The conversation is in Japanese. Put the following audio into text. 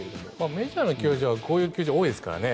メジャーの球場はこういう球場多いですからね。